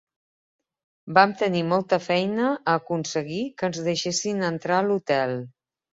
Vam tenir molta feina a aconseguir que ens deixessin entrar a l'hotel